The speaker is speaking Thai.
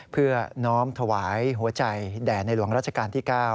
เพื่อน้อมถวายหัวใจแด่ในหลวงราชการที่๙